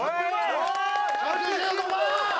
１１５万！